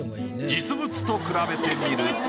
実物と比べてみると。